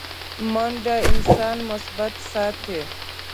منډه انسان مثبت ساتي